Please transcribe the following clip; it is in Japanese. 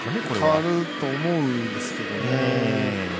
変わると思うんですけどね。